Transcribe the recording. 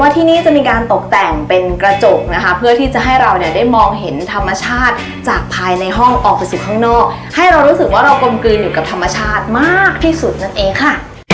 ที่นี่จะมีการตกแต่งเป็นกระจกนะคะเพื่อที่จะให้เราเนี่ยได้มองเห็นธรรมชาติจากภายในห้องออกไปอยู่ข้างนอกให้เรารู้สึกว่าเรากลมกลืนอยู่กับธรรมชาติมากที่สุดนั่นเองค่ะ